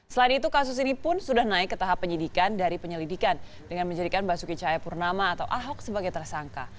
selain itu kasus ini pun sudah naik ke tahap penyidikan dari penyelidikan dengan menjadikan basuki cahayapurnama atau ahok sebagai tersangka